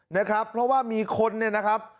นะครับเพราะว่ามีคนเนี่ยนะครับ